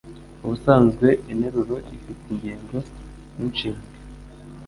Ubusanzwe interuro ifite ingingo ninshinga.